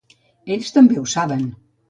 Ells també ho saben.